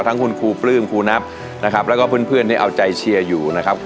ทั้งคุณครูปลื้มครูนับนะครับแล้วก็เพื่อนที่เอาใจเชียร์อยู่นะครับ